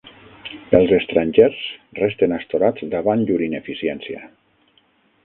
Els estrangers resten astorats davant llur ineficiència